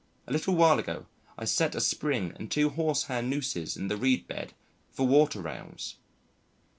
A little while ago I set a springe and two horse hair nooses in the reed bed for water rails.